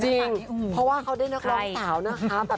เพราะว่าเขาได้นักร้องสาวนะคะ